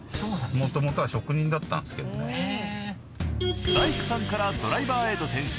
もともとは職人だったんですけどね。え。